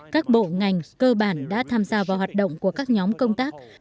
các bộ ngành cơ bản đã tham gia vào hoạt động của các nhóm công tác